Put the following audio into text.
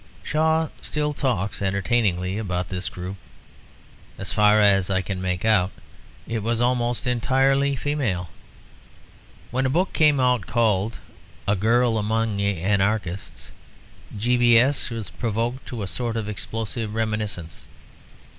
Shaw still talks entertainingly about this group. As far as I can make out, it was almost entirely female. When a book came out called A Girl among the Anarchists, G. B. S. was provoked to a sort of explosive reminiscence.